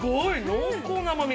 濃厚な甘み。